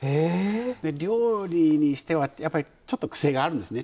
料理にしてはやっぱりちょっとくせがあるんですね。